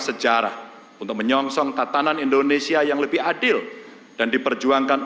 kami memiliki miljen pekerjaan saat ini di bastardsura ter impacts memiliki pandan inggris